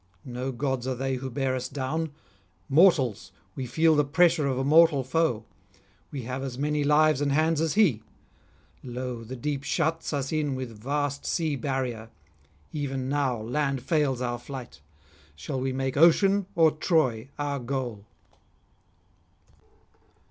No gods are they who bear us down; mortals, we feel the pressure of a mortal foe; we have as many lives and hands as he. Lo, the deep shuts us in with vast sea barrier; even now land fails our flight; shall we make ocean or Troy our goal?'